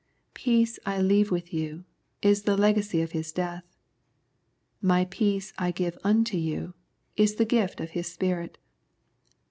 " Peace I leave with you " is the legacy of His Death. " My peace I give unto you " is the gift of His Spirit.